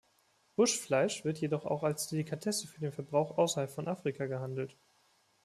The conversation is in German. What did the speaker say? Buschfleisch wird jedoch auch als Delikatesse für den Verbrauch außerhalb von Afrika gehandelt.